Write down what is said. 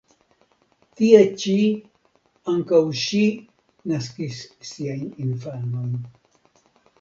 Tie ĉi ankaŭ ŝi naskis siajn infanojn.